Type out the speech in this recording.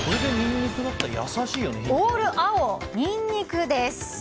オール青、ニンニクです。